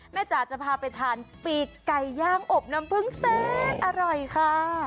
จ๋าจะพาไปทานปีกไก่ย่างอบน้ำพึ่งแสนอร่อยค่ะ